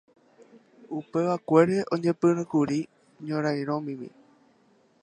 Upevakuére oñepyrũkuri ñorairõmimi.